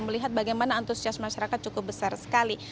melihat bagaimana antusias masyarakat cukup besar sekali